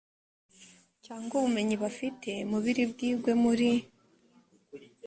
cyangwa ubumenyi bafite mu biri bwigwe muri